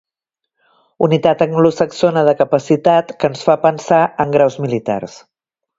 Unitat anglosaxona de capacitat que ens fa pensar en graus militars.